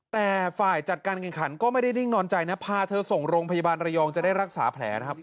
แต่ฝ่ายจัดการแข่งขันก็ไม่ได้นิ่งนอนใจนะพาเธอส่งโรงพยาบาลระยองจะได้รักษาแผลนะครับ